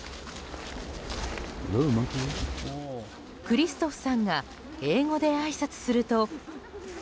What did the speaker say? クリストフさんが英語であいさつすると。